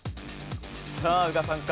さあ宇賀さんか？